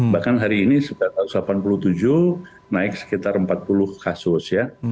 bahkan hari ini sembilan ratus delapan puluh tujuh naik sekitar empat puluh kasus